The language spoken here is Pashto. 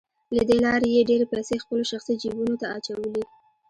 له دې لارې یې ډېرې پیسې خپلو شخصي جیبونو ته اچولې